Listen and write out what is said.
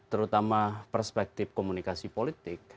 terutama perspektif komunikasi politik